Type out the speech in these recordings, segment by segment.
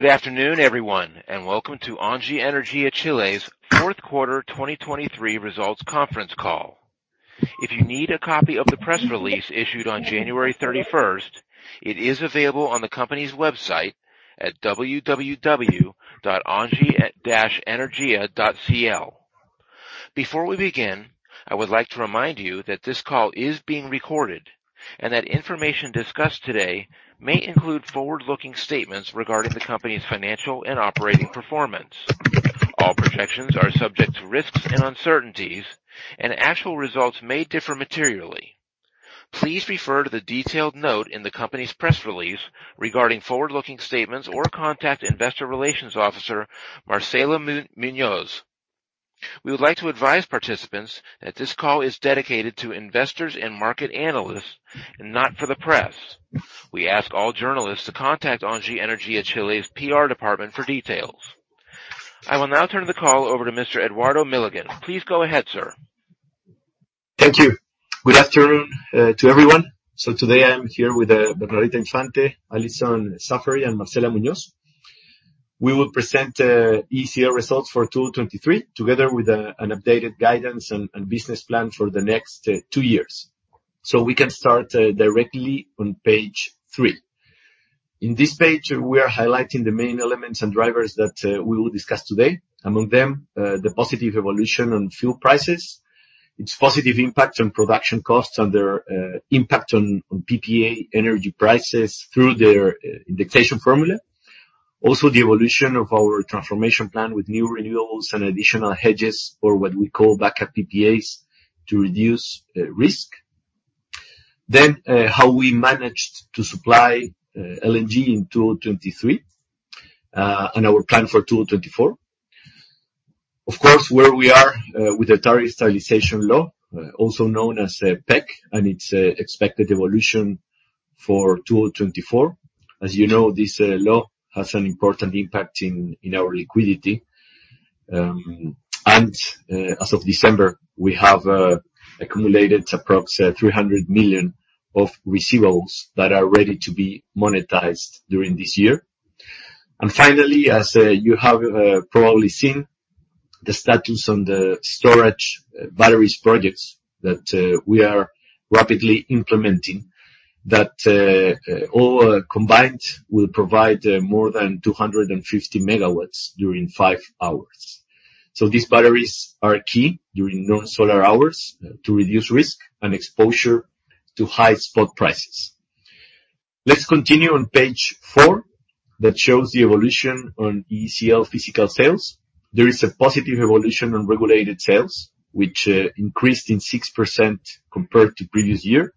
Good afternoon, everyone, and welcome to ENGIE Energía Chile's Fourth Quarter, 2023 Results Conference Call. If you need a copy of the press release issued on January 31st, it is available on the company's website at www.engie-energia.cl. Before we begin, I would like to remind you that this call is being recorded, and that information discussed today may include forward-looking statements regarding the company's financial and operating performance. All projections are subject to risks and uncertainties, and actual results may differ materially. Please refer to the detailed note in the company's press release regarding forward-looking statements or contact Investor Relations Officer, Marcela Muñoz. We would like to advise participants that this call is dedicated to investors and market analysts and not for the press. We ask all journalists to contact ENGIE Energía Chile's PR department for details. I will now turn the call over to Mr. Eduardo Milligan. Please go ahead, sir. Thank you. Good afternoon to everyone. Today I'm here with Bernardita Infante, Alison Saffery, and Marcela Muñoz. We will present ECL results for 2023, together with an updated guidance and business plan for the next two years. We can start directly on page 3. In this page, we are highlighting the main elements and drivers that we will discuss today. Among them, the positive evolution on fuel prices, its positive impact on production costs, and their impact on PPA energy prices through their indexation formula. Also, the evolution of our transformation plan with new renewables and additional hedges, or what we call backup PPAs, to reduce risk. Then, how we managed to supply LNG in 2023 and our plan for 2024. Of course, where we are with the Tariff Stabilization Law, also known as PEC, and its expected evolution for 2024. As you know, this law has an important impact in our liquidity. And as of December, we have accumulated approx $300 million of receivables that are ready to be monetized during this year. And finally, as you have probably seen, the status on the storage batteries projects that we are rapidly implementing, that all combined will provide more than 250 MW during 5 hours. So these batteries are key during non-solar hours to reduce risk and exposure to high spot prices. Let's continue on page 4, that shows the evolution on ECL physical sales. There is a positive evolution on regulated sales, which increased 6% compared to previous year.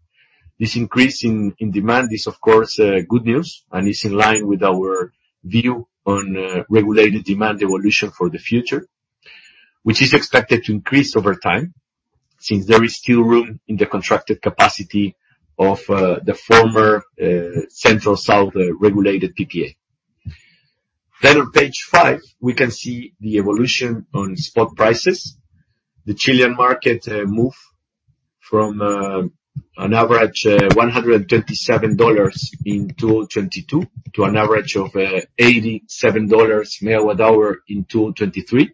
This increase in demand is, of course, good news, and is in line with our view on regulated demand evolution for the future, which is expected to increase over time, since there is still room in the contracted capacity of the former central-south regulated PPA. Then on page five, we can see the evolution on spot prices. The Chilean market moved from an average $127/MWh in 2022 to an average of $87/MWh in 2023.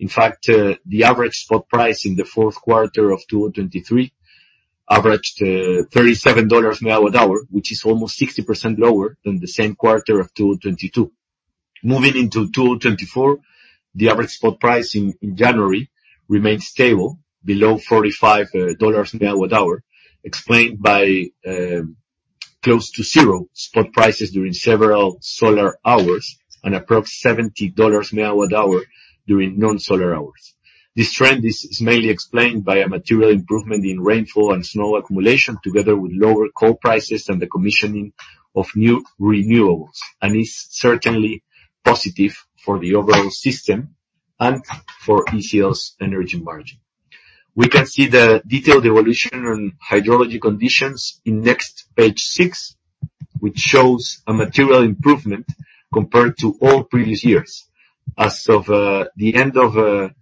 In fact, the average spot price in the fourth quarter of 2023 averaged $37/MWh, which is almost 60% lower than the same quarter of 2022. Moving into 2024, the average spot price in January remained stable, below $45/MWh, explained by close to zero spot prices during several solar hours and approx. 70 $/MWh during non-solar hours. This trend is mainly explained by a material improvement in rainfall and snow accumulation, together with lower coal prices and the commissioning of new renewables, and is certainly positive for the overall system and for ECL's energy margin. We can see the detailed evolution on hydrology conditions in next page 6, which shows a material improvement compared to all previous years. As of the end of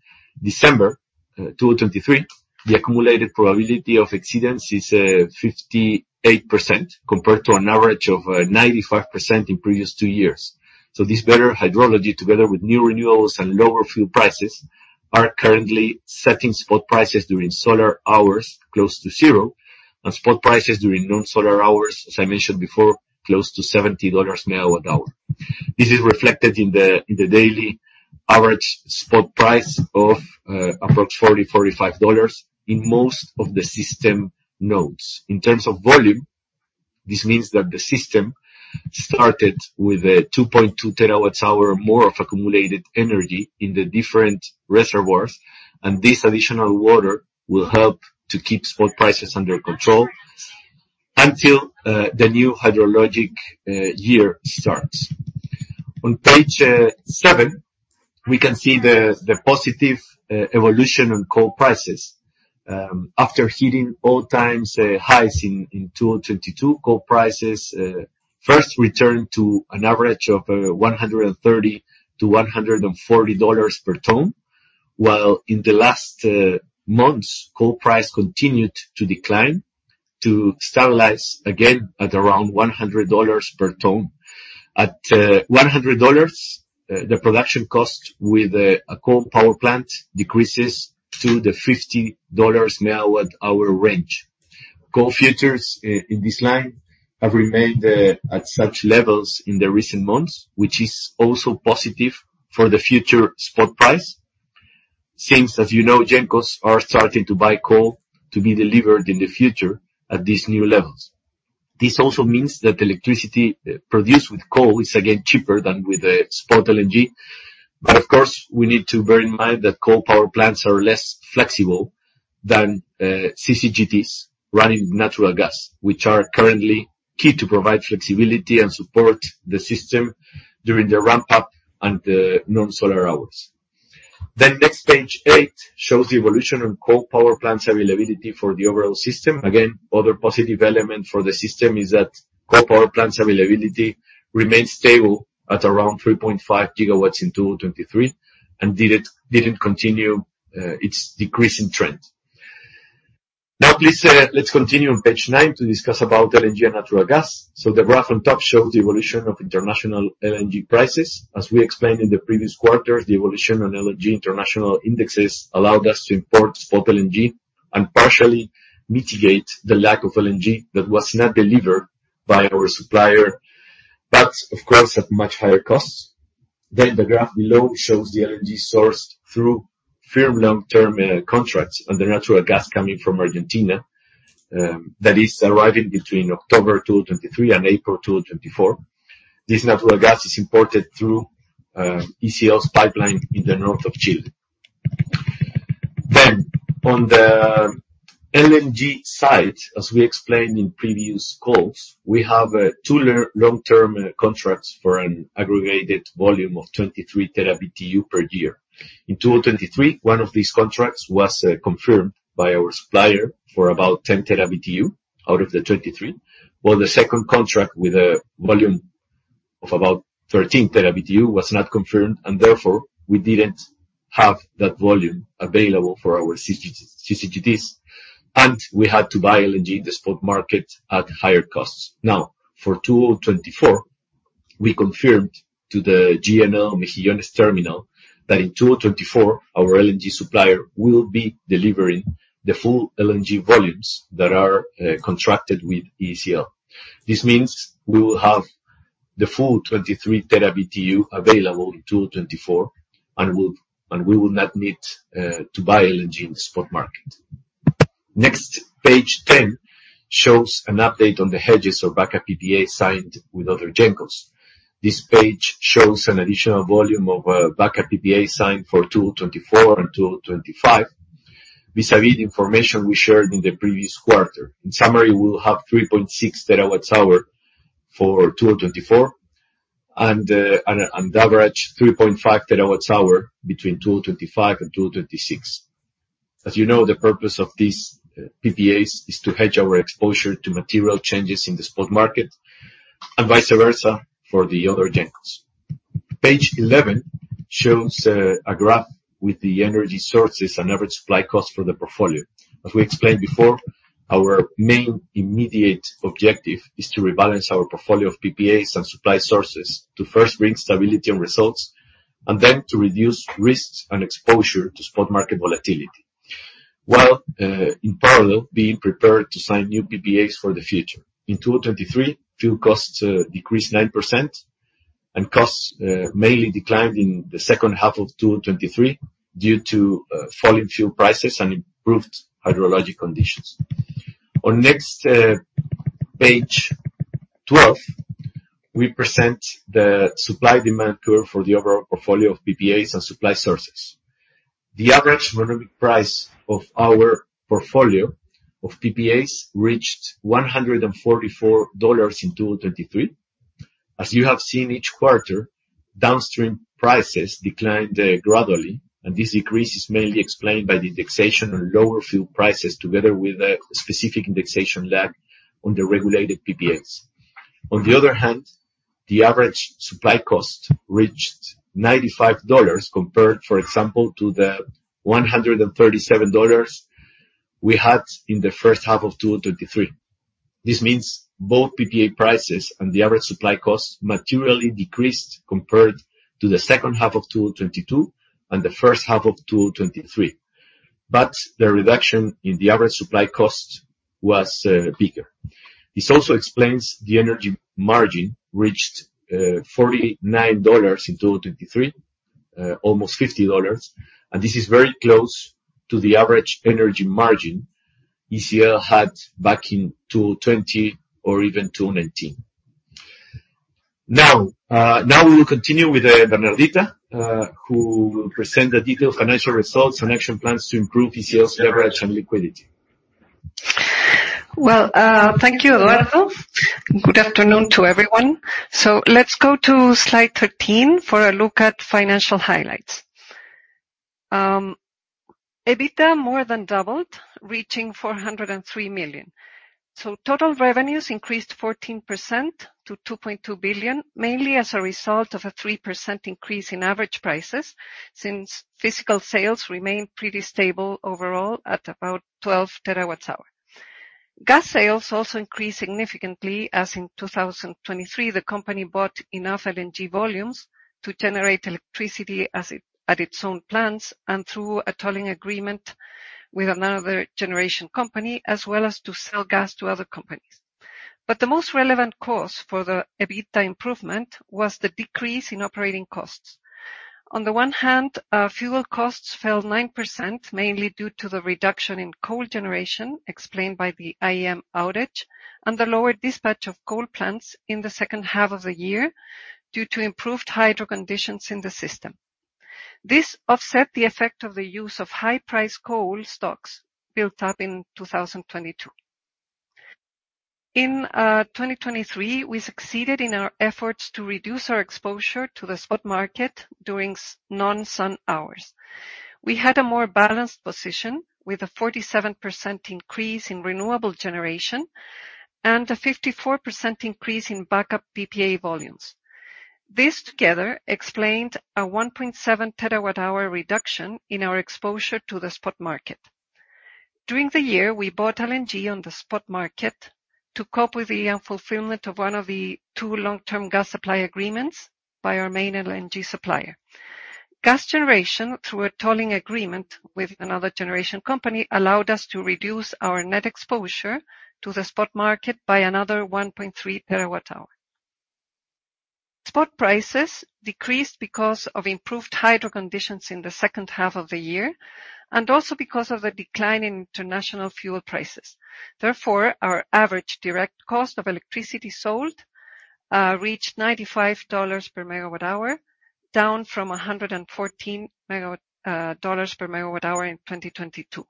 December 2023, the accumulated probability of exceedance is 58%, compared to an average of 95% in previous two years. So this better hydrology, together with new renewables and lower fuel prices, are currently setting spot prices during solar hours close to zero, and spot prices during non-solar hours, as I mentioned before, close to $70/MWh. This is reflected in the daily average spot price of approx $40-$45 in most of the system nodes. In terms of volume, this means that the system started with a 2.2 TWh more of accumulated energy in the different reservoirs, and this additional water will help to keep spot prices under control until the new hydrologic year starts. On page 7, we can see the positive evolution on coal prices. After hitting all-time highs in 2022, coal prices first returned to an average of $130-$140 per ton, while in the last months, coal price continued to decline to stabilize again at around $100 per ton. At $100, the production cost with a coal power plant decreases to the $50 now at our range. Coal futures in this line have remained at such levels in the recent months, which is also positive for the future spot price. Since, as you know, gencos are starting to buy coal to be delivered in the future at these new levels. This also means that electricity produced with coal is again cheaper than with spot LNG. Of course, we need to bear in mind that coal power plants are less flexible than CCGTs running natural gas, which are currently key to provide flexibility and support the system during the ramp-up and non-solar hours. Next, page 8 shows the evolution on coal power plants availability for the overall system. Again, other positive element for the system is that coal power plants availability remains stable at around 3.5 gigawatts in 2023, and didn't continue its decreasing trend. Now, please, let's continue on page 9 to discuss about LNG and natural gas. The graph on top shows the evolution of international LNG prices. As we explained in the previous quarter, the evolution on LNG international indexes allowed us to import spot LNG and partially mitigate the lack of LNG that was not delivered by our supplier, but of course, at much higher costs. Then the graph below shows the LNG sourced through firm long-term contracts, and the natural gas coming from Argentina that is arriving between October 2023 and April 2024. This natural gas is imported through ECL's pipeline in the north of Chile. Then on the LNG side, as we explained in previous calls, we have two long-term contracts for an aggregated volume of 23 tera BTU per year. In 2023, one of these contracts was confirmed by our supplier for about 10 tera BTU out of the 23, while the second contract with a volume of about 13 tera BTU was not confirmed, and therefore, we didn't have that volume available for our CCGTs, and we had to buy LNG in the spot market at higher costs. Now, for 2024, we confirmed to the GNL Mejillones terminal that in 2024, our LNG supplier will be delivering the full LNG volumes that are contracted with ECL. This means we will have the full 23 tera BTU available in 2024, and we will not need to buy LNG in the spot market. Next, page 10 shows an update on the hedges or backup PPA signed with other gencos. This page shows an additional volume of backup PPA signed for 2024 and 2025. Vis-a-vis the information we shared in the previous quarter. In summary, we'll have 3.6 terawatt hours for 2024, and average 3.5 terawatt hours between 2025 and 2026. As you know, the purpose of these PPAs is to hedge our exposure to material changes in the spot market, and vice versa for the other gencos. Page 11 shows a graph with the energy sources and average supply costs for the portfolio. As we explained before, our main immediate objective is to rebalance our portfolio of PPAs and supply sources to first bring stability and results, and then to reduce risks and exposure to spot market volatility, while, in parallel, being prepared to sign new PPAs for the future. In 2023, fuel costs decreased 9%, and costs mainly declined in the second half of 2023 due to falling fuel prices and improved hydrologic conditions. On next page 12, we present the supply-demand curve for the overall portfolio of PPAs and supply sources. The average energy price of our portfolio of PPAs reached $144 in 2023. As you have seen each quarter, downstream prices declined gradually, and this decrease is mainly explained by the indexation on lower fuel prices, together with a specific indexation lag on the regulated PPAs. On the other hand, the average supply cost reached $95, compared, for example, to the $137 we had in the first half of 2023. This means both PPA prices and the average supply costs materially decreased compared to the second half of 2022 and the first half of 2023, but the reduction in the average supply cost was bigger. This also explains the energy margin reached $49 in 2023, almost $50, and this is very close to the average energy margin ECL had back in 2020 or even 2019. Now, now we will continue with Bernardita, who will present the detailed financial results and action plans to improve ECL's leverage and liquidity. Well, thank you, Eduardo. Good afternoon to everyone. So let's go to Slide 13 for a look at financial highlights. EBITDA more than doubled, reaching $403 million. So total revenues increased 14% to $2.2 billion, mainly as a result of a 3% increase in average prices, since physical sales remained pretty stable overall at about 12 terawatt-hours. Gas sales also increased significantly, as in 2023, the company bought enough LNG volumes to generate electricity at its own plants, and through a tolling agreement with another generation company, as well as to sell gas to other companies. But the most relevant cause for the EBITDA improvement was the decrease in operating costs. On the one hand, fuel costs fell 9%, mainly due to the reduction in coal generation, explained by the IEM outage and the lower dispatch of coal plants in the second half of the year, due to improved hydro conditions in the system. This offset the effect of the use of high-price coal stocks built up in 2022. In 2023, we succeeded in our efforts to reduce our exposure to the spot market during non-sun hours. We had a more balanced position, with a 47% increase in renewable generation and a 54% increase in backup PPA volumes. This together explained a 1.7 terawatt-hour reduction in our exposure to the spot market. During the year, we bought LNG on the spot market to cope with the unfulfillment of one of the two long-term gas supply agreements by our main LNG supplier. Gas generation, through a tolling agreement with another generation company, allowed us to reduce our net exposure to the spot market by another 1.3 TWh. Spot prices decreased because of improved hydro conditions in the second half of the year, and also because of a decline in international fuel prices. Therefore, our average direct cost of electricity sold reached $95 per MWh, down from $114 per MWh in 2022.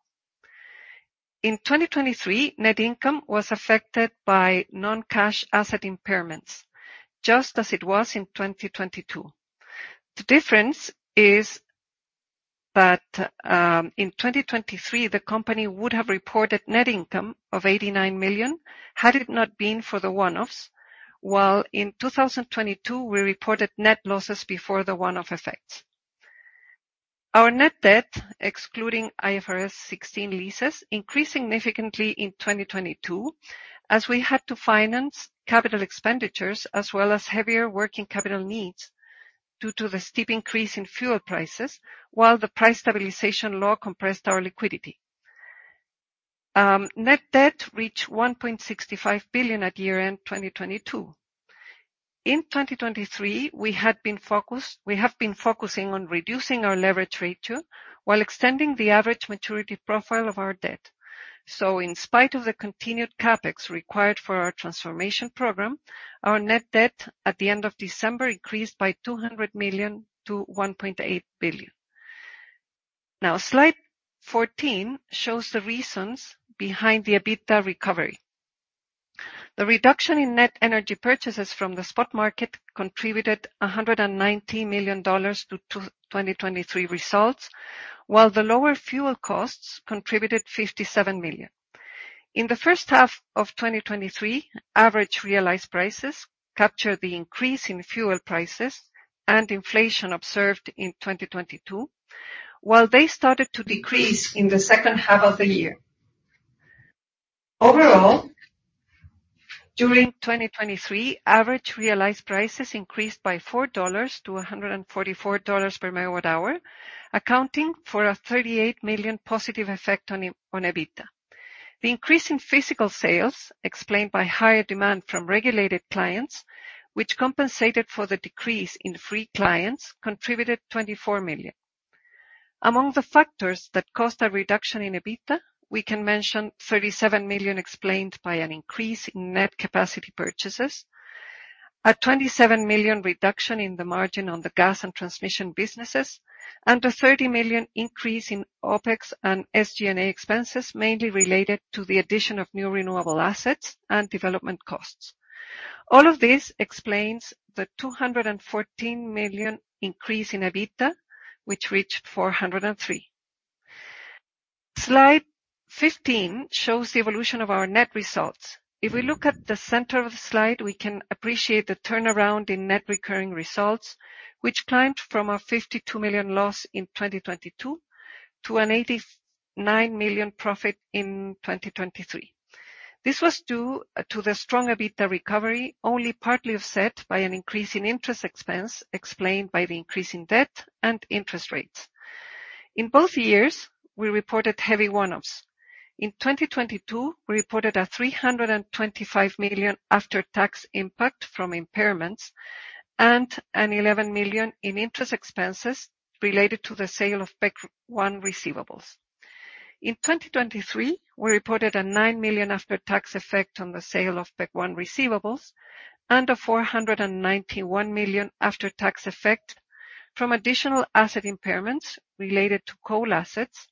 In 2023, net income was affected by non-cash asset impairments, just as it was in 2022. The difference is that in 2023, the company would have reported net income of $89 million, had it not been for the one-offs, while in 2022, we reported net losses before the one-off effects. Our net debt, excluding IFRS 16 leases, increased significantly in 2022, as we had to finance capital expenditures, as well as heavier working capital needs due to the steep increase in fuel prices, while the Price Stabilization Law compressed our liquidity. Net debt reached $1.65 billion at year-end 2022. In 2023, we have been focusing on reducing our leverage ratio while extending the average maturity profile of our debt. So in spite of the continued CapEx required for our transformation program, our net debt at the end of December increased by $200 million to $1.8 billion. Now, Slide 14 shows the reasons behind the EBITDA recovery. The reduction in net energy purchases from the spot market contributed $190 million to 2023 results, while the lower fuel costs contributed $57 million. In the first half of 2023, average realized prices captured the increase in fuel prices and inflation observed in 2022, while they started to decrease in the second half of the year. Overall, during 2023, average realized prices increased by $4 to $144 per megawatt hour, accounting for a $38 million positive effect on EBITDA. The increase in physical sales, explained by higher demand from regulated clients, which compensated for the decrease in free clients, contributed $24 million. Among the factors that caused a reduction in EBITDA, we can mention $37 million explained by an increase in net capacity purchases, a $27 million reduction in the margin on the gas and transmission businesses, and a $30 million increase in OpEx and SG&A expenses, mainly related to the addition of new renewable assets and development costs. All of this explains the $214 million increase in EBITDA, which reached $403 million. Slide 15 shows the evolution of our net results. If we look at the center of the slide, we can appreciate the turnaround in net recurring results, which climbed from a $52 million loss in 2022 to an $89 million profit in 2023. This was due to the strong EBITDA recovery, only partly offset by an increase in interest expense, explained by the increase in debt and interest rates. In both years, we reported heavy one-offs. In 2022, we reported a $325 million after-tax impact from impairments and an $11 million in interest expenses related to the sale of PEC one receivables. In 2023, we reported a $9 million after-tax effect on the sale of PEC one receivables and a $491 million after-tax effect from additional asset impairments related to coal assets,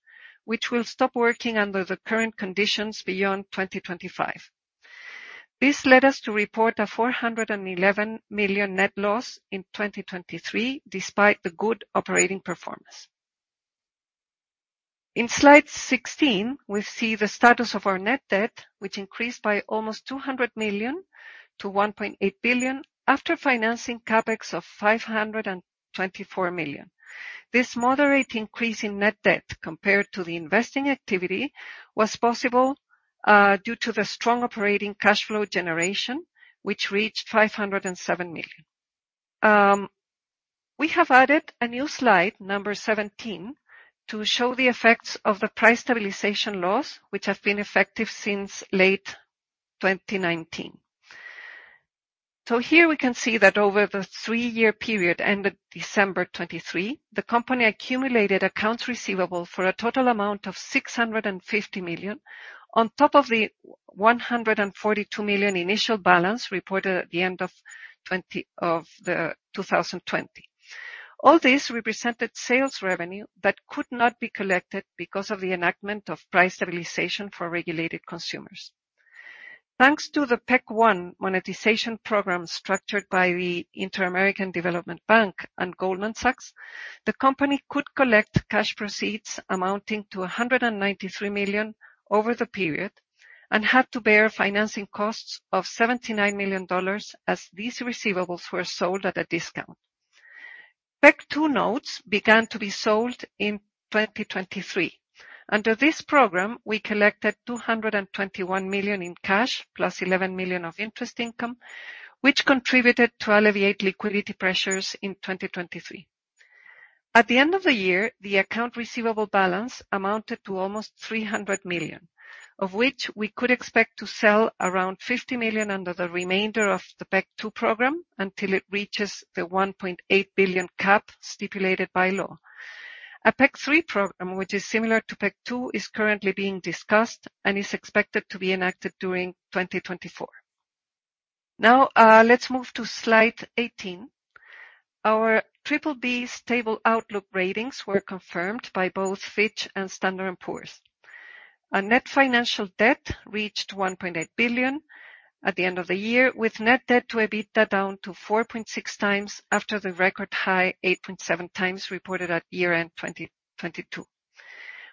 which will stop working under the current conditions beyond 2025. This led us to report a $411 million net loss in 2023, despite the good operating performance. In slide 16, we see the status of our net debt, which increased by almost $200 million to $1.8 billion after financing CapEx of $524 million. This moderate increase in net debt, compared to the investing activity, was possible due to the strong operating cash flow generation, which reached $507 million. We have added a new slide, number 17, to show the effects of the price stabilization laws, which have been effective since late 2019. So here we can see that over the three-year period, ended December 2023, the company accumulated accounts receivable for a total amount of $650 million, on top of the $142 million initial balance reported at the end of 2020. All this represented sales revenue that could not be collected because of the enactment of price stabilization for regulated consumers. Thanks to the PEC One monetization program, structured by the Inter-American Development Bank and Goldman Sachs, the company could collect cash proceeds amounting to $193 million over the period, and had to bear financing costs of $79 million, as these receivables were sold at a discount. PEC Two notes began to be sold in 2023. Under this program, we collected $221 million in cash, plus $11 million of interest income, which contributed to alleviate liquidity pressures in 2023. At the end of the year, the account receivable balance amounted to almost $300 million, of which we could expect to sell around $50 million under the remainder of the PEC Two program, until it reaches the $1.8 billion cap stipulated by law. A PEC Three program, which is similar to PEC Two, is currently being discussed and is expected to be enacted during 2024. Now, let's move to Slide 18. Our BBB stable outlook ratings were confirmed by both Fitch and Standard & Poor's. Our net financial debt reached $1.8 billion at the end of the year, with net debt to EBITDA down to 4.6x after the record-high 8.7x reported at year-end 2022.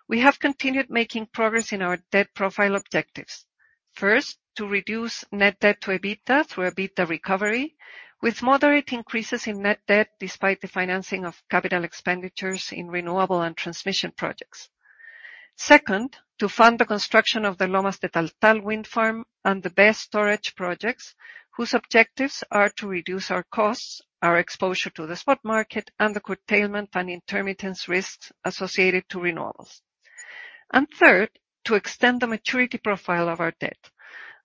We have continued making progress in our debt profile objectives. First, to reduce net debt to EBITDA through EBITDA recovery, with moderate increases in net debt, despite the financing of capital expenditures in renewable and transmission projects. Second, to fund the construction of the Lomas de Taltal wind farm and the BESS storage projects, whose objectives are to reduce our costs, our exposure to the spot market, and the curtailment and intermittence risks associated to renewables. And third, to extend the maturity profile of our debt.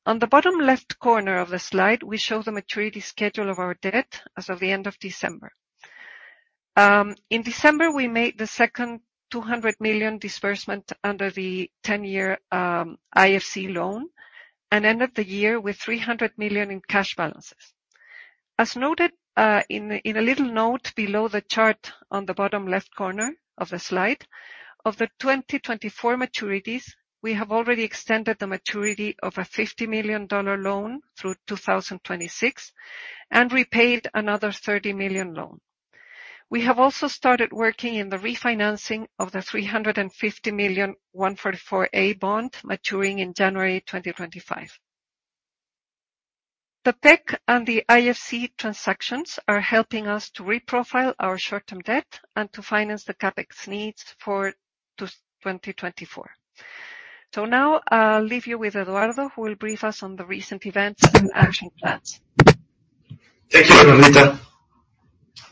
On the bottom left corner of the slide, we show the maturity schedule of our debt as of the end of December. In December, we made the second $200 million disbursement under the ten-year IFC loan, and ended the year with $300 million in cash balances. As noted, in a little note below the chart on the bottom left corner of the slide, of the 2024 maturities, we have already extended the maturity of a $50 million loan through 2026, and repaid another $30 million loan. We have also started working in the refinancing of the $350 million 144A bond, maturing in January 2025. The PEC and the IFC transactions are helping us to reprofile our short-term debt and to finance the CapEx needs for 2024. So now, I'll leave you with Eduardo, who will brief us on the recent events and action plans. Thank you, Bernardita.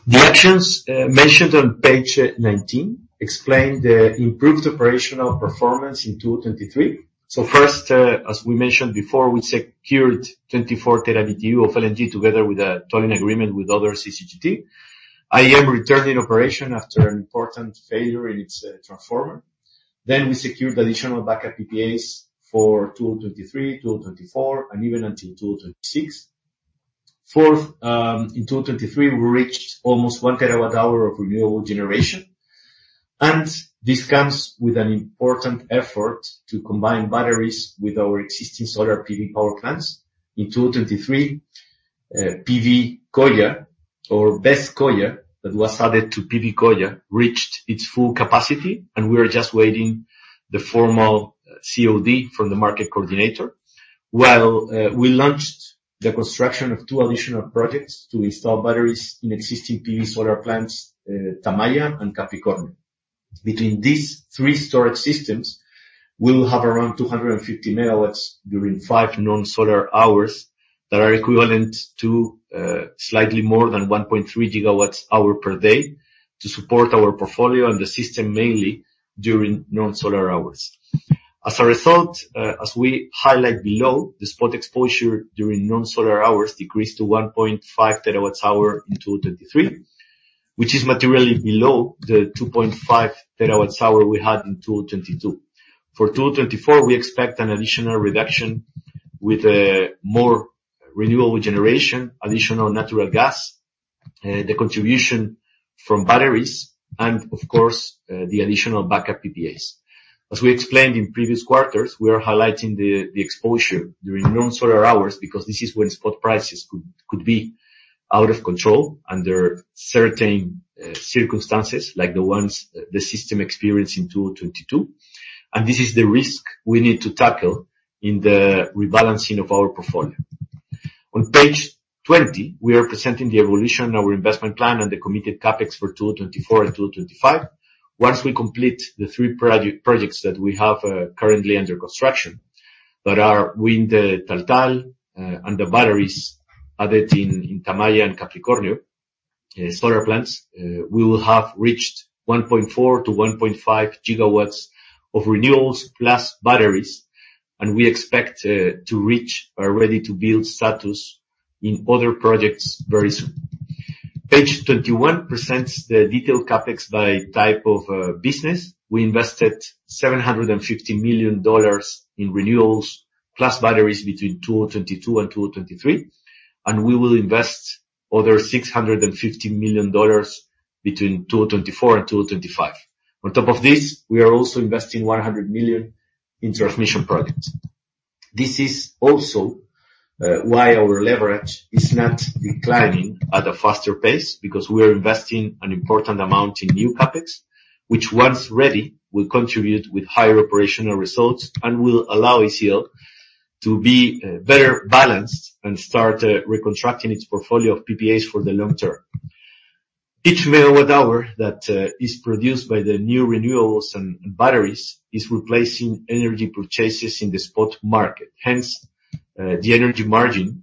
The actions mentioned on page 19 explain the improved operational performance in 2023. So first, as we mentioned before, we secured 24 terawatt hour of LNG, together with a tolling agreement with other CCGT. IEM returned in operation after an important failure in its transformer. Then we secured additional backup PPAs for 2023, 2024, and even until 2026. Fourth, in 2023, we reached almost 1 terawatt hour of renewable generation, and this comes with an important effort to combine batteries with our existing solar PV power plants. In 2023, PV Coya, or BESS Coya, that was added to PV Coya, reached its full capacity, and we are just waiting the formal COD from the market coordinator. While we launched the construction of two additional projects to install batteries in existing PV solar plants, Tamaya and Capricornio. Between these three storage systems, we will have around 250 megawatts during 5 non-solar hours, that are equivalent to slightly more than 1.3 gigawatt-hours per day, to support our portfolio and the system, mainly during non-solar hours. As a result, as we highlight below, the spot exposure during non-solar hours decreased to 1.5 terawatt-hours in 2023, which is materially below the 2.5 terawatt-hours we had in 2022. For 2024, we expect an additional reduction with more renewable generation, additional natural gas, the contribution from batteries, and of course, the additional backup PPAs. As we explained in previous quarters, we are highlighting the exposure during non-solar hours, because this is when spot prices could be out of control under certain circumstances, like the ones the system experienced in 2022, and this is the risk we need to tackle in the rebalancing of our portfolio. On page 20, we are presenting the evolution of our investment plan and the committed CapEx for 2024 and 2025. Once we complete the three projects that we have currently under construction, that are wind, the Taltal, and the batteries added in Tamaya and Capricornio, solar plants, we will have reached 1.4-1.5 gigawatts of renewables plus batteries, and we expect to reach our ready-to-build status in other projects very soon. Page 21 presents the detailed CapEx by type of business. We invested $750 million in renewables, plus batteries between 2022 and 2023, and we will invest another $650 million between 2024 and 2025. On top of this, we are also investing $100 million in transmission projects. This is also why our leverage is not declining at a faster pace, because we are investing an important amount in new CapEx. Which once ready, will contribute with higher operational results and will allow ECL to be better balanced and start reconstructing its portfolio of PPAs for the long term. Each megawatt hour that is produced by the new renewables and batteries is replacing energy purchases in the spot market. Hence, the energy margin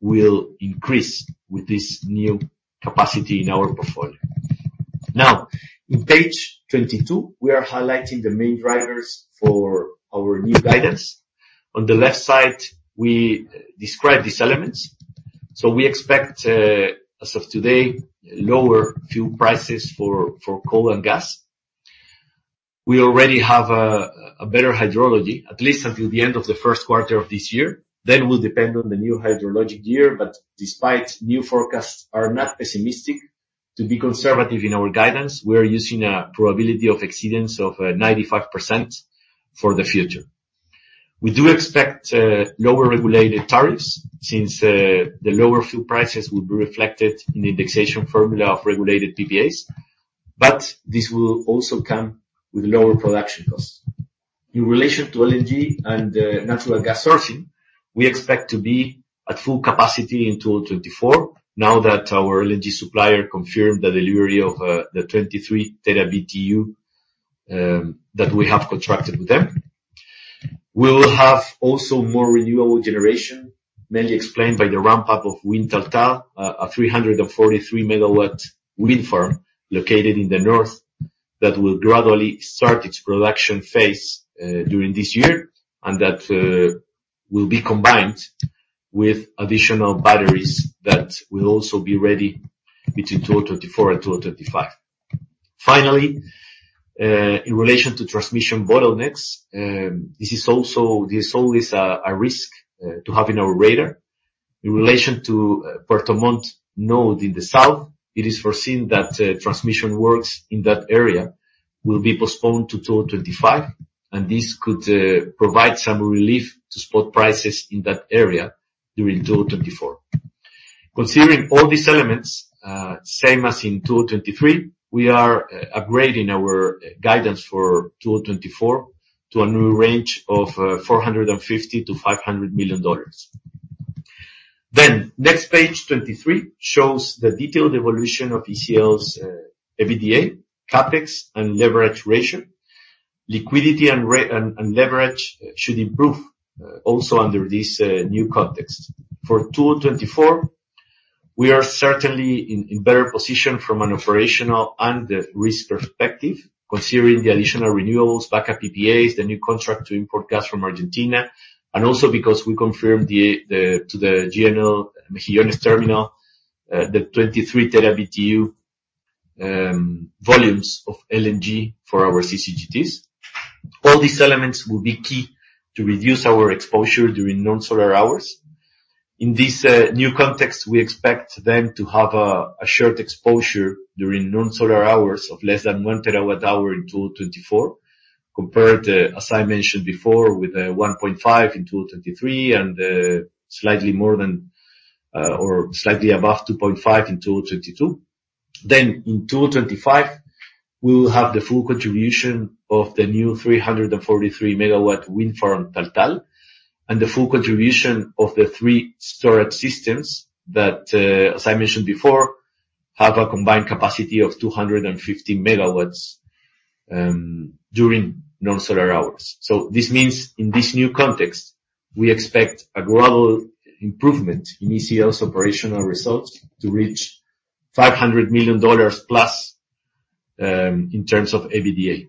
will increase with this new capacity in our portfolio. Now, in page 22, we are highlighting the main drivers for our new guidance. On the left side, we describe these elements. So we expect, as of today, lower fuel prices for coal and gas. We already have a better hydrology, at least until the end of the first quarter of this year. Then we'll depend on the new hydrologic year, but despite new forecasts are not pessimistic. To be conservative in our guidance, we are using a probability of exceedance of 95% for the future. We do expect lower regulated tariffs since the lower fuel prices will be reflected in the indexation formula of regulated PPAs, but this will also come with lower production costs. In relation to LNG and natural gas sourcing, we expect to be at full capacity in 2024, now that our LNG supplier confirmed the delivery of the 23 tera BTU that we have contracted with them. We will have also more renewable generation, mainly explained by the ramp-up of Wind Taltal, a 343-MW wind farm located in the north, that will gradually start its production phase during this year, and that will be combined with additional batteries that will also be ready between 2024 and 2025. Finally, in relation to transmission bottlenecks, this is always a risk to have in our radar. In relation to Puerto Montt node in the south, it is foreseen that transmission works in that area will be postponed to 2025, and this could provide some relief to spot prices in that area during 2024. Considering all these elements, same as in 2023, we are upgrading our guidance for 2024 to a new range of $450 million-$500 million. Then, next page 23 shows the detailed evolution of ECL's EBITDA, CapEx, and leverage ratio. Liquidity and ratios and leverage should improve also under this new context. For 2024, we are certainly in better position from an operational and a risk perspective, considering the additional renewals, backup PPAs, the new contract to import gas from Argentina, and also because we confirmed the... to the GNL Mejillones terminal, the 23 tera-BTU volumes of LNG for our CCGTs. All these elements will be key to reduce our exposure during non-solar hours. In this new context, we expect them to have a short exposure during non-solar hours of less than 1 terawatt-hour in 2024, compared, as I mentioned before, with 1.5 in 2023, and slightly more than, or slightly above 2.5 in 2022. Then in 2025, we will have the full contribution of the new 343-MW wind farm, Taltal, and the full contribution of the three storage systems that, as I mentioned before, have a combined capacity of 250 MW during non-solar hours. So this means in this new context, we expect a global improvement in ECL's operational results to reach $500 million plus in terms of EBITDA.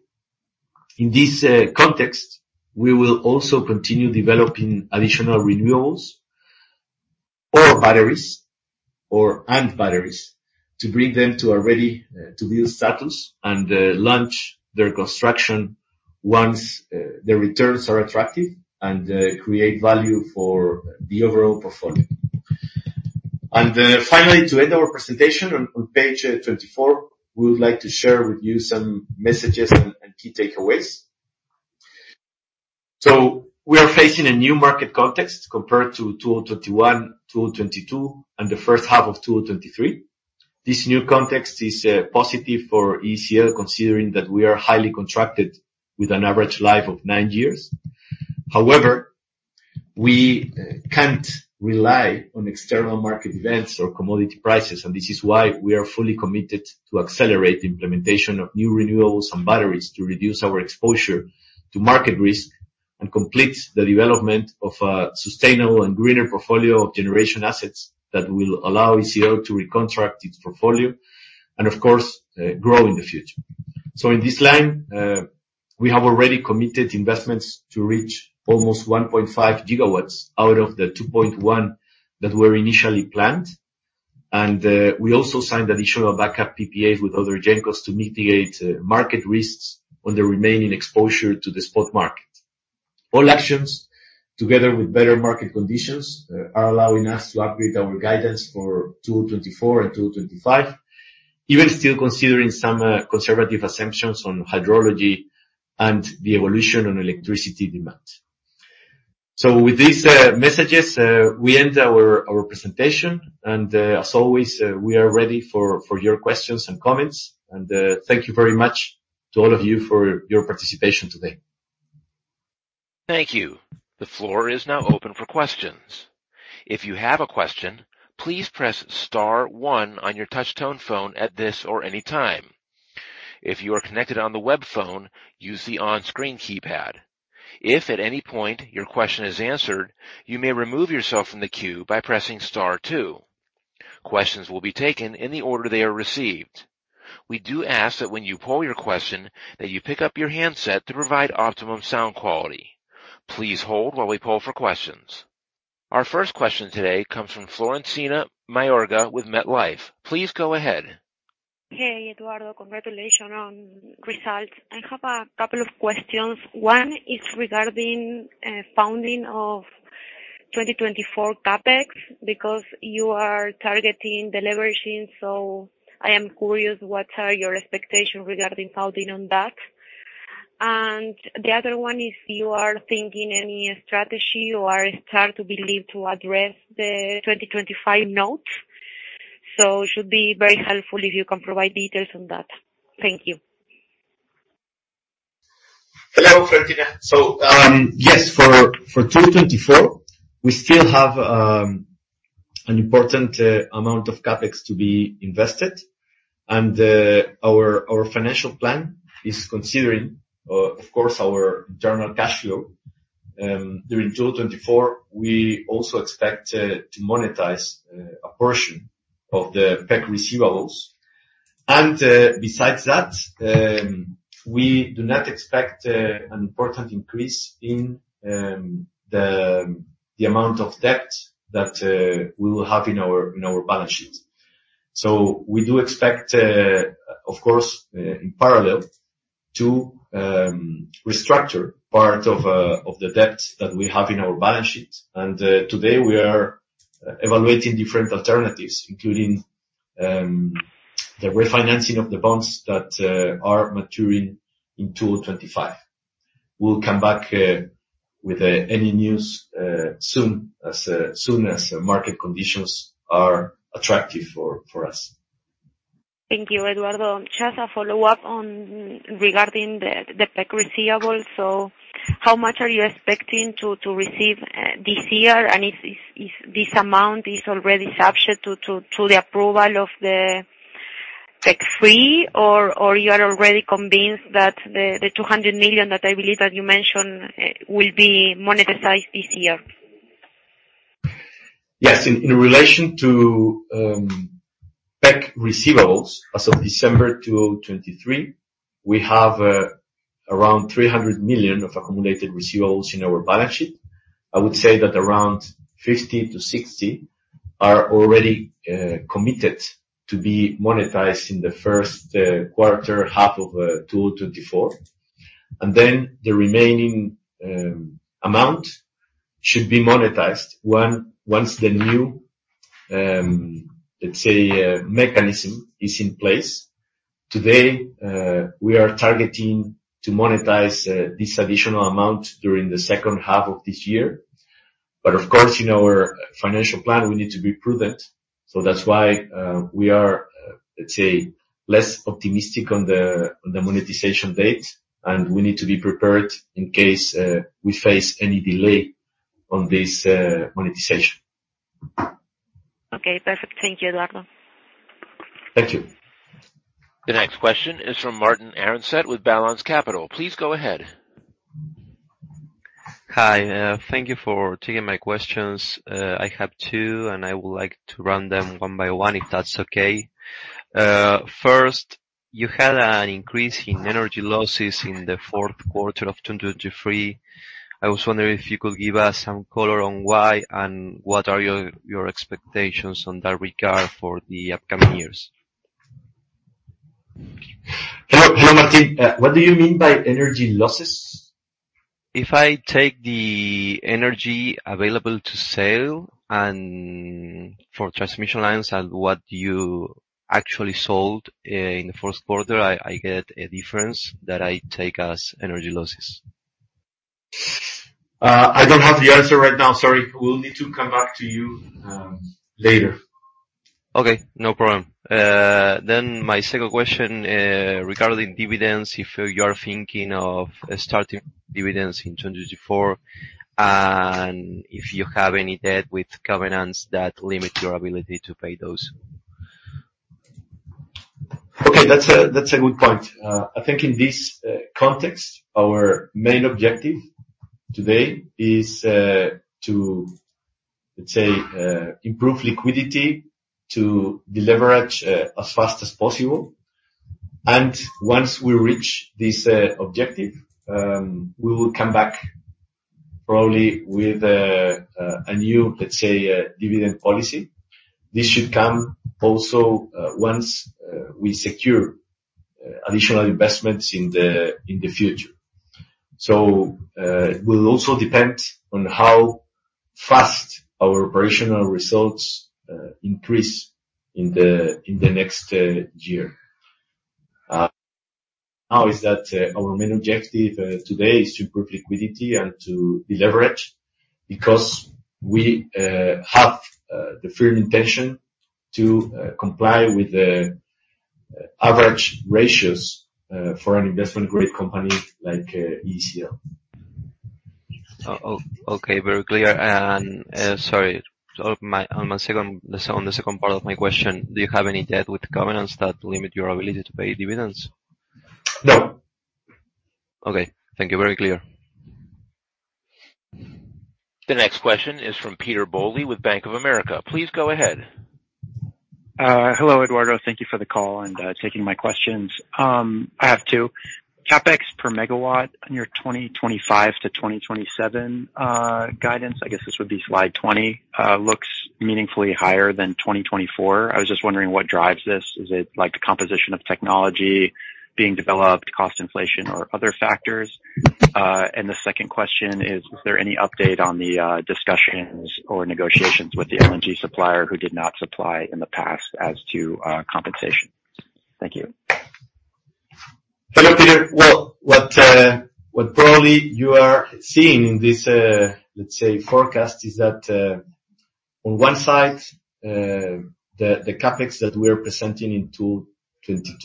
In this context, we will also continue developing additional renewables or batteries, or and batteries, to bring them to a ready to use status, and launch their construction once the returns are attractive and create value for the overall portfolio. And finally, to end our presentation, on page 24, we would like to share with you some messages and and key takeaways. So we are facing a new market context compared to 2021, 2022, and the first half of 2023. This new context is positive for ECL, considering that we are highly contracted with an average life of nine years. However, we can't rely on external market events or commodity prices, and this is why we are fully committed to accelerate the implementation of new renewables and batteries to reduce our exposure to market risk and complete the development of a sustainable and greener portfolio of generation assets that will allow ENGIE to recontract its portfolio and, of course, grow in the future. So in this line, we have already committed investments to reach almost 1.5 gigawatts out of the 2.1 that were initially planned. We also signed additional backup PPAs with other gencos to mitigate market risks on the remaining exposure to the spot market. All actions, together with better market conditions, are allowing us to upgrade our guidance for 2024 and 2025, even still considering some conservative assumptions on hydrology and the evolution on electricity demand. So with these messages, we end our presentation, and as always, we are ready for your questions and comments. Thank you very much to all of you for your participation today. Thank you. The floor is now open for questions. If you have a question, please press star one on your touchtone phone at this or any time. If you are connected on the web phone, use the onscreen keypad. If at any point your question is answered, you may remove yourself from the queue by pressing star two. Questions will be taken in the order they are received. We do ask that when you pose your question, that you pick up your handset to provide optimum sound quality. Please hold while we poll for questions. Our first question today comes from Florencia Mayorga with MetLife. Please go ahead. Hey, Eduardo. Congratulations on results. I have a couple of questions. One is regarding funding of 2024 CapEx, because you are targeting the leveraging. So I am curious, what are your expectations regarding funding on that? And the other one is: You are thinking any strategy or start to believe to address the 2025 notes? So it should be very helpful if you can provide details on that. Thank you. Hello, Florentina. So, yes, for 2024, we still have an important amount of CapEx to be invested, and our financial plan is considering, of course, our general cash flow. During 2024, we also expect to monetize a portion of the PEC receivables. And, besides that, we do not expect an important increase in the amount of debt that we will have in our balance sheet. So we do expect, of course, in parallel, to restructure part of the debt that we have in our balance sheet. And, today we are evaluating different alternatives, including the refinancing of the bonds that are maturing in 2025. We'll come back with any news soon, as soon as market conditions are attractive for us. Thank you, Eduardo. Just a follow-up regarding the PEC receivable. So how much are you expecting to receive this year? And if this amount is already subject to the approval of the PEC Three, or you are already convinced that the $200 million that I believe that you mentioned will be monetized this year? Yes. In relation to PEC receivables, as of December 2023, we have around $300 million of accumulated receivables in our balance sheet. I would say that around 50-60 are already committed to be monetized in the first quarter half of 2024. And then the remaining amount should be monetized once the new, let's say, mechanism is in place. Today, we are targeting to monetize this additional amount during the second half of this year. But of course, in our financial plan, we need to be prudent, so that's why we are, let's say, less optimistic on the monetization date, and we need to be prepared in case we face any delay on this monetization. Okay, perfect. Thank you, Eduardo. Thank you. The next question is from Martin Arancet with Balance Capital. Please go ahead. Hi, thank you for taking my questions. I have two, and I would like to run them one by one, if that's okay. First, you had an increase in energy losses in the fourth quarter of 2023. I was wondering if you could give us some color on why, and what are your, your expectations on that regard for the upcoming years? Hello. Hello, Martin. What do you mean by energy losses? If I take the energy available to sell and for transmission lines and what you actually sold in the first quarter, I get a difference that I take as energy losses. I don't have the answer right now. Sorry. We'll need to come back to you, later. Okay, no problem. Then my second question, regarding dividends, if you are thinking of starting dividends in 2024 and if you have any debt with covenants that limit your ability to pay those? Okay, that's a, that's a good point. I think in this context, our main objective today is to, let's say, improve liquidity, to deleverage as fast as possible. And once we reach this objective, we will come back probably with a new, let's say, dividend policy. This should come also once we secure additional investments in the future. So, it will also depend on how fast our operational results increase in the next year. Now, is that our main objective today is to improve liquidity and to deleverage because we have the firm intention to comply with the average ratios for an investment-grade company like ECL. Okay, very clear. And, sorry, on the second part of my question, do you have any debt with the covenants that limit your ability to pay dividends? No. Okay, thank you. Very clear. The next question is from Peter Galbo with Bank of America. Please go ahead. Hello, Eduardo. Thank you for the call and taking my questions. I have two. CapEx per megawatt on your 2025-2027 guidance, I guess this would be slide 20, looks meaningfully higher than 2024. I was just wondering what drives this. Is it, like, the composition of technology being developed, cost inflation or other factors? And the second question is: Is there any update on the discussions or negotiations with the LNG supplier who did not supply in the past as to compensation? Thank you. Hello, Peter. Well, what, what probably you are seeing in this, let's say, forecast, is that, on one side, the, the CapEx that we are presenting in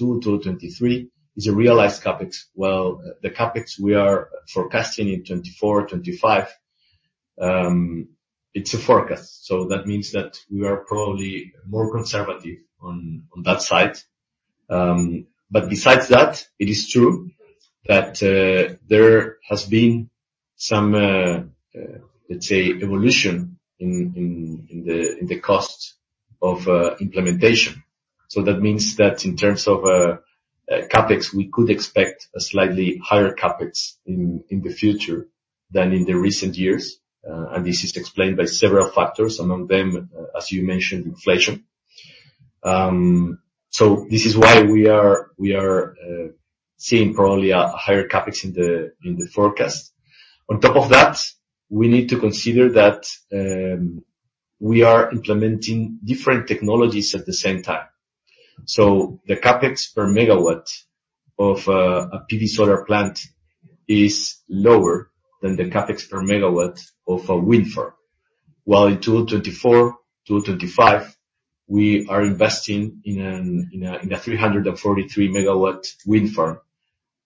2022-2023 is a realized CapEx, while the CapEx we are forecasting in 2024, 2025, it's a forecast. So that means that we are probably more conservative on, on that side. But besides that, it is true that, there has been some, let's say, evolution in, in, in the, in the cost of, implementation. So that means that in terms of, CapEx, we could expect a slightly higher CapEx in, in the future than in the recent years. And this is explained by several factors, among them, as you mentioned, inflation. So this is why we are seeing probably a higher CapEx in the forecast. On top of that, we need to consider that we are implementing different technologies at the same time. So the CapEx per megawatt of a PV solar plant is lower than the CapEx per megawatt of a wind farm. While in 2024, 2025, we are investing in a 343-megawatt wind farm,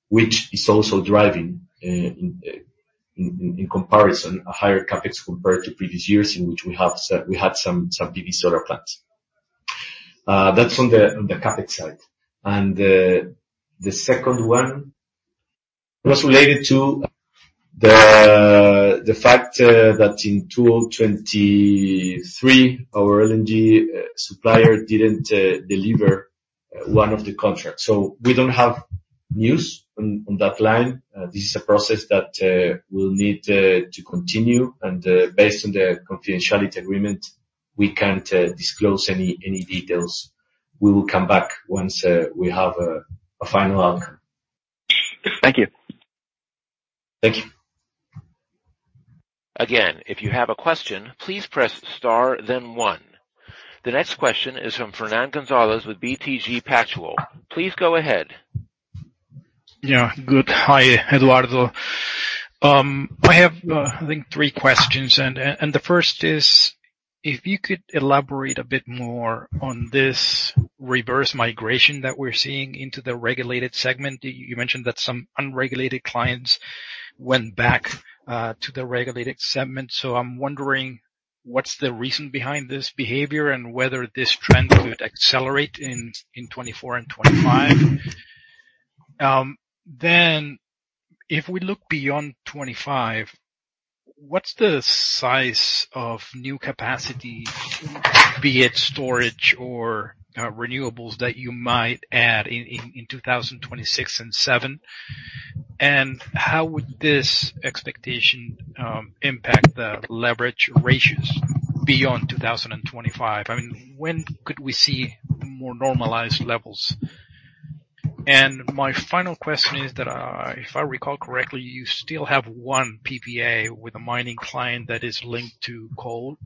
which is also driving, in comparison, a higher CapEx compared to previous years in which we had some PV solar plants. That's on the CapEx side. The second one was related to the fact that in 2023, our LNG supplier didn't deliver one of the contracts. So we don't have news on that line. This is a process that will need to continue, and based on the confidentiality agreement, we can't disclose any details. We will come back once we have a final answer. Thank you. Thank you. Again, if you have a question, please press Star, then One. The next question is from Fernán Gonzalez with BTG Pactual. Please go ahead. Yeah, good. Hi, Eduardo. I have, I think three questions, and the first is, if you could elaborate a bit more on this reverse migration that we're seeing into the regulated segment. You mentioned that some unregulated clients went back to the regulated segment. So I'm wondering what's the reason behind this behavior and whether this trend could accelerate in 2024 and 2025. Then if we look beyond 2025, what's the size of new capacity, be it storage or renewables, that you might add in 2026 and 2027? And how would this expectation impact the leverage ratios beyond 2025? I mean, when could we see more normalized levels? And my final question is that, if I recall correctly, you still have one PPA with a mining client that is linked to coal.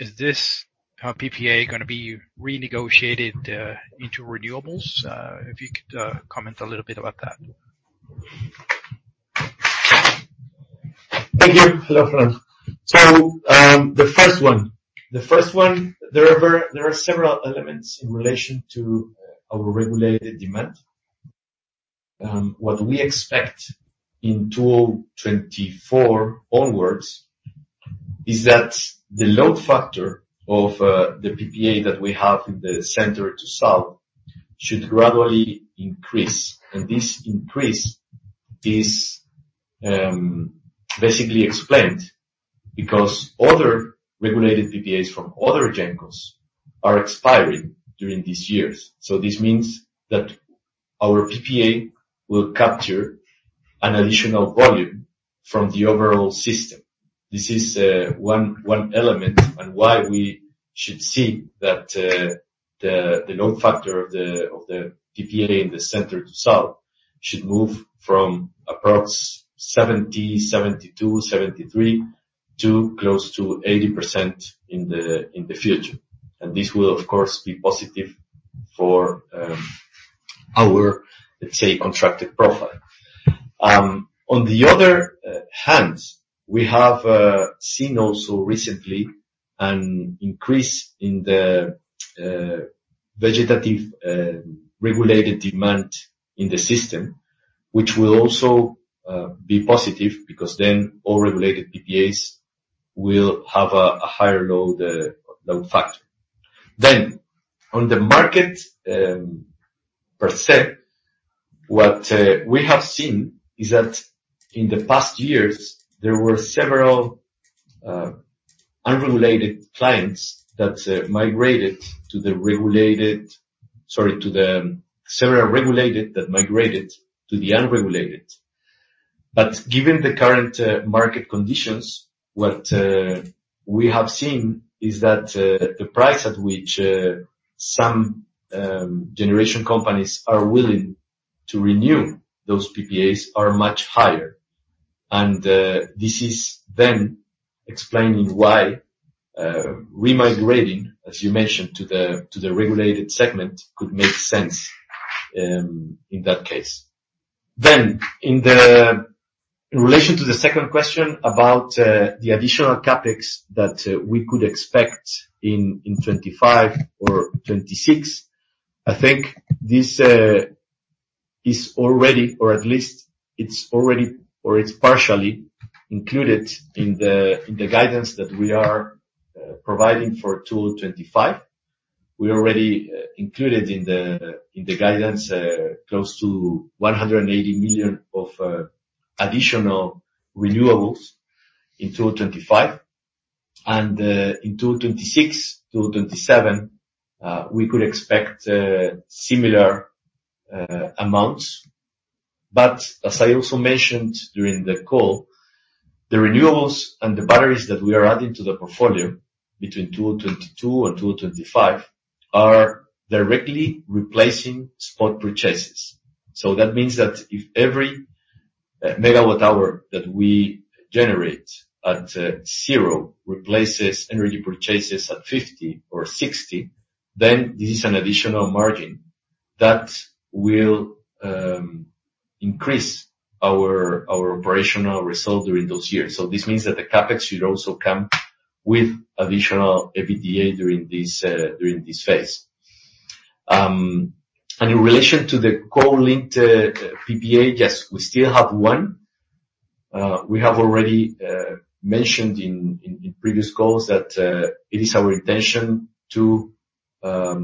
Is this PPA gonna be renegotiated into renewables? If you could comment a little bit about that. Thank you. Hello, Fernand. So, the first one, there are several elements in relation to our regulated demand. What we expect in 2024 onwards is that the load factor of the PPA that we have in the center to south should gradually increase. And this increase is basically explained because other regulated PPAs from other gencos are expiring during these years. So this means that our PPA will capture an additional volume from the overall system. This is one element and why we should see that the load factor of the PPA in the center to south should move from approx 70, 72, 73 to close to 80% in the future. And this will, of course, be positive for our, let's say, contracted profile. On the other hand, we have seen also recently an increase in the vegetative regulated demand in the system, which will also be positive, because then all regulated PPAs will have a higher load factor. Then on the market per se, what we have seen is that in the past years, there were several unregulated clients that migrated to the regulated. Sorry, to the several regulated that migrated to the unregulated. But given the current market conditions, what we have seen is that the price at which some generation companies are willing to renew those PPAs are much higher. And this is then explaining why remigrating, as you mentioned, to the regulated segment, could make sense in that case. Then, in relation to the second question about the additional CapEx that we could expect in 2025 or 2026, I think this is already, or at least partially included in the guidance that we are providing for 2025. We already included in the guidance close to $180 million of additional renewables in 2025. And in 2026, 2027, we could expect similar amounts. But as I also mentioned during the call, the renewables and the batteries that we are adding to the portfolio between 2022 and 2025 are directly replacing spot purchases. So that means that if every megawatt hour that we generate at zero replaces energy purchases at 50 or 60, then this is an additional margin that will increase our operational result during those years. So this means that the CapEx should also come with additional EBITDA during this phase. And in relation to the coal-linked PPA, yes, we still have one. We have already mentioned in previous calls that it is our intention to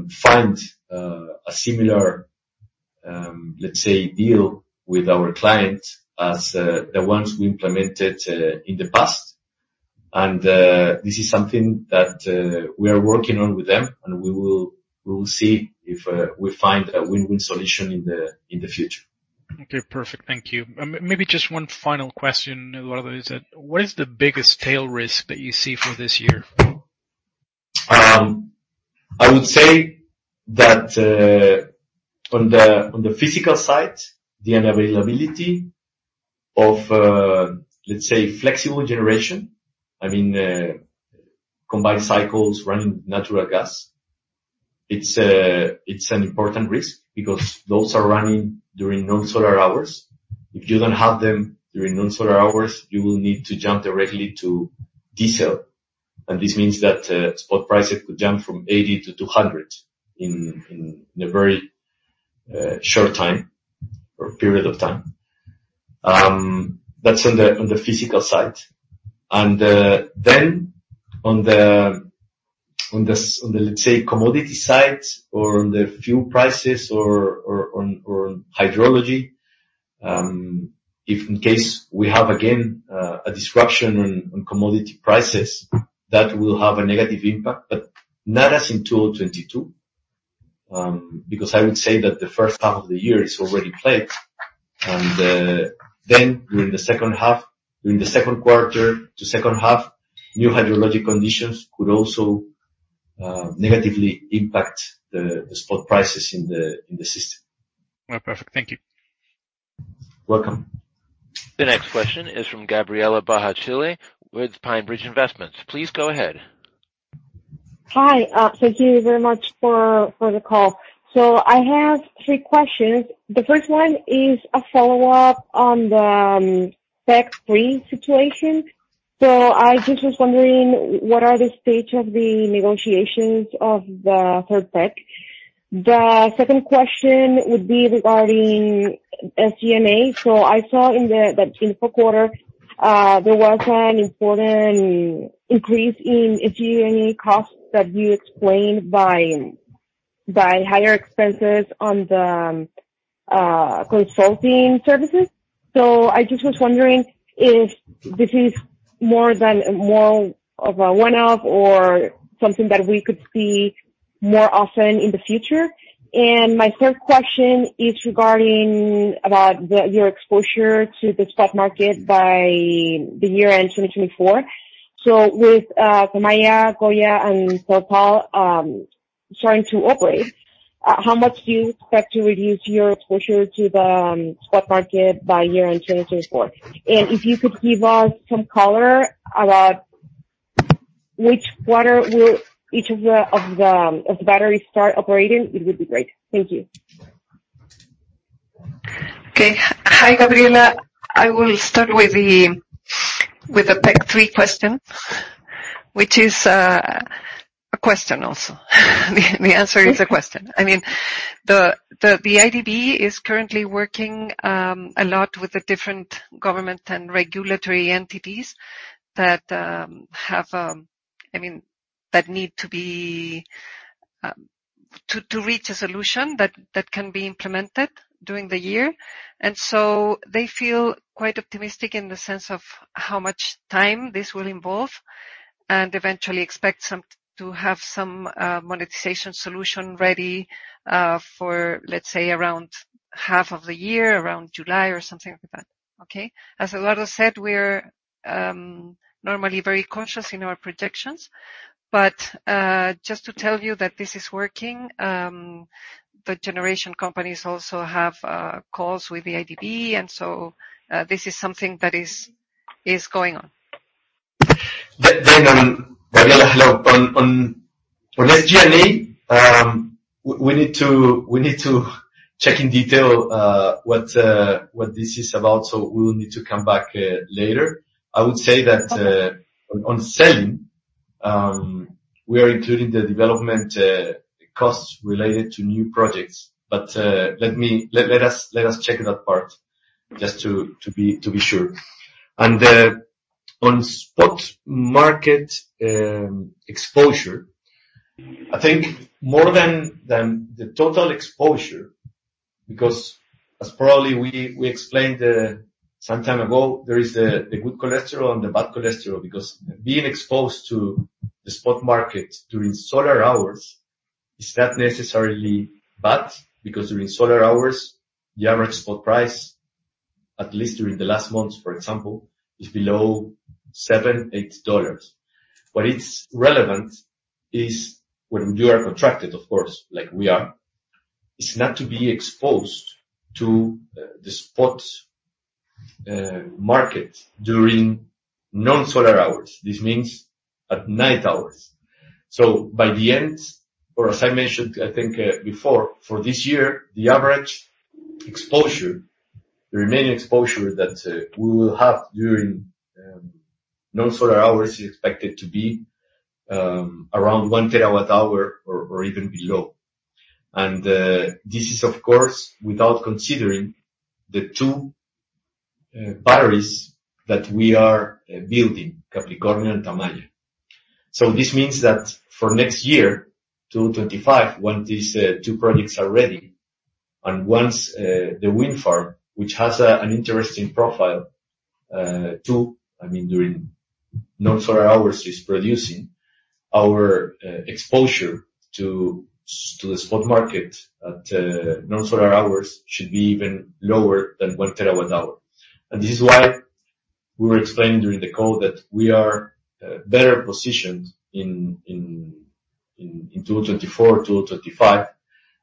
find a similar, let's say, deal with our clients as the ones we implemented in the past. And this is something that we are working on with them, and we will see if we find a win-win solution in the future. Okay, perfect. Thank you. Maybe just one final question, Eduardo. What is the biggest tail risk that you see for this year? I would say that, on the physical side, the unavailability of, let's say, flexible generation, I mean, combined cycles running natural gas. It's an important risk because those are running during non-solar hours. If you don't have them during non-solar hours, you will need to jump directly to diesel, and this means that, spot prices could jump from 80 to 200 in a very short time or period of time. That's on the physical side. Then on the, let's say, commodity side or on the fuel prices or on hydrology, if in case we have, again, a disruption on commodity prices, that will have a negative impact, but not as in 2022. Because I would say that the first half of the year is already plagued. During the second quarter to second half, new hydrologic conditions could also negatively impact the spot prices in the system. All right. Perfect. Thank you. Welcome. The next question is from Gabriela Bahachille with PineBridge Investments. Please go ahead. Hi, thank you very much for the call. So I have three questions. The first one is a follow-up on the PEC three situation. So I just was wondering, what are the stage of the negotiations of the third PEC? The second question would be regarding SG&A. So I saw in the, the info quarter, there was an important increase in SG&A costs that you explained by, by higher expenses on the, consulting services. So I just was wondering if this is more than more of a one-off or something that we could see more often in the future. And my third question is regarding about the, your exposure to the spot market by year-end 2024. So with, Tamaya, Coya, and Taltal, starting to operate, how much do you expect to reduce your exposure to the, spot market by year-end 2024? If you could give us some color about which quarter will each of the batteries start operating, it would be great. Thank you. Okay. Hi, Gabriela. I will start with the, with the PEC three question, which is a question also. The answer is a question. I mean, the IDB is currently working a lot with the different government and regulatory entities that have... I mean, that need to be to reach a solution that can be implemented during the year. And so they feel quite optimistic in the sense of how much time this will involve, and eventually expect some to have some monetization solution ready for, let's say, around half of the year, around July or something like that. Okay? As Eduardo said, we're normally very conscious in our projections, but just to tell you that this is working, the generation companies also have calls with the IDB, and so this is something that is going on. Then, Gabriela, hello. On SG&A, we need to check in detail what this is about, so we will need to come back later. I would say that on selling, we are including the development costs related to new projects. But let me let us check that part, just to be sure. And on spot market exposure, I think more than the total exposure, because as probably we explained some time ago, there is the good cholesterol and the bad cholesterol. Because being exposed to the spot market during solar hours is not necessarily bad, because during solar hours, the average spot price, at least during the last months, for example, is below $7-$8. What's relevant is when you are contracted, of course, like we are, it's not to be exposed to the spot market during non-solar hours. This means at night hours. So by the end, or as I mentioned, I think, before, for this year, the average exposure, the remaining exposure that we will have during non-solar hours, is expected to be around 1 TWh or even below. And this is, of course, without considering the two batteries that we are building, Capricornio and Tamaya. So this means that for next year, 2025, when these two projects are ready, and once the wind farm, which has an interesting profile too, I mean, during non-solar hours, is producing our exposure to the spot market at non-solar hours, should be even lower than 1 terawatt-hour. And this is why we were explaining during the call that we are better positioned in 2024, 2025,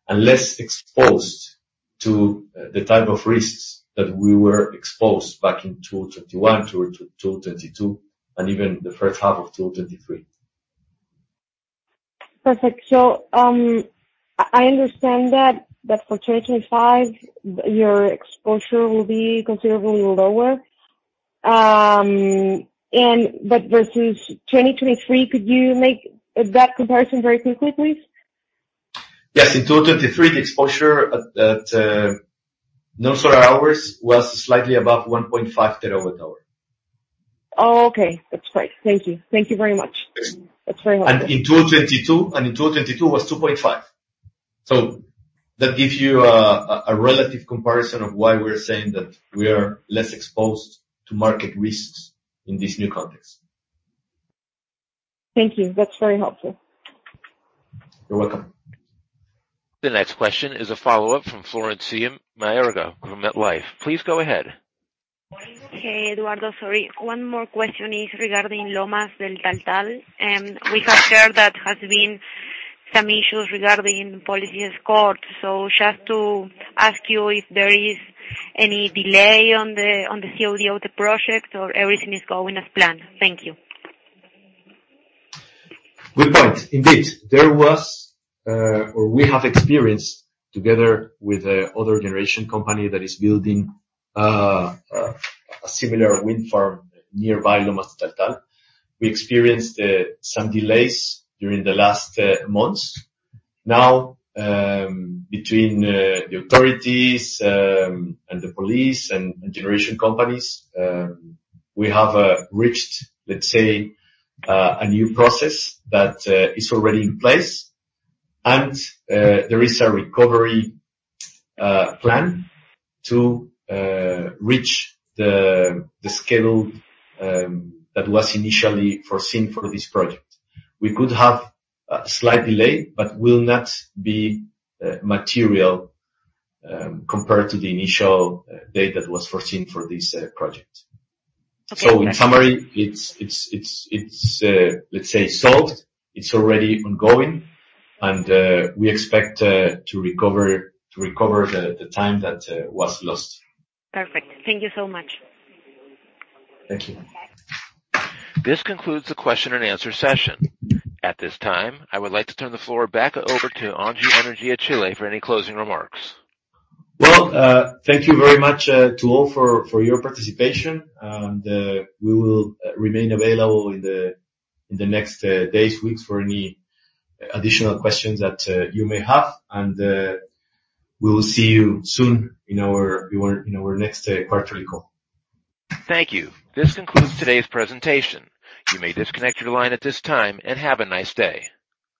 and less exposed to the type of risks that we were exposed back in 2021, 2022, and even the first half of 2023. Perfect. So, I understand that, that for 2025, your exposure will be considerably lower, and but versus 2023, could you make that comparison very quickly, please? Yes. In 2023, the exposure at non-solar hours was slightly above 1.5 TWh. Oh, okay. That's right. Thank you. Thank you very much. Okay. That's very helpful. And in 2022, was 2.5. So that gives you a relative comparison of why we're saying that we are less exposed to market risks in this new context. Thank you. That's very helpful. You're welcome. The next question is a follow-up from Florencia Mayorga from MetLife. Please go ahead. Hey, Eduardo. Sorry. One more question is regarding Lomas de Taltal. We have heard that has been some issues regarding police escort. So just to ask you if there is any delay on the COD of the project, or everything is going as planned? Thank you. Good point. Indeed, there was, or we have experienced together with the other generation company that is building a similar wind farm nearby Lomas de Taltal. We experienced some delays during the last months. Now, between the authorities and the police and generation companies, we have reached, let's say, a new process that is already in place. And there is a recovery plan to reach the schedule that was initially foreseen for this project. We could have a slight delay, but will not be material compared to the initial date that was foreseen for this project. Okay. So in summary, it's, let's say solved. It's already ongoing, and we expect to recover the time that was lost. Perfect. Thank you so much. Thank you. This concludes the question and answer session. At this time, I would like to turn the floor back over to ENGIE Energía Chile for any closing remarks. Well, thank you very much to all for your participation, and we will remain available in the next days, weeks, for any additional questions that you may have. And we will see you soon in our next quarterly call. Thank you. This concludes today's presentation. You may disconnect your line at this time, and have a nice day.